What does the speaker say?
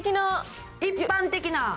一般的な。